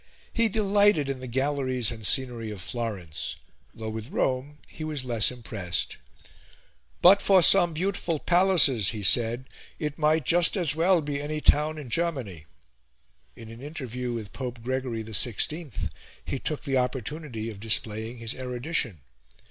He delighted in the galleries and scenery of Florence, though with Rome he was less impressed. "But for some beautiful palaces," he said, "it might just as well be any town in Germany." In an interview with Pope Gregory XVI, he took the opportunity of displaying his erudition.